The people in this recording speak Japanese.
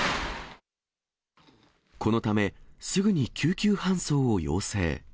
このため、すぐに救急搬送を要請。